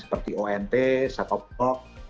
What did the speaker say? seperti ont satopok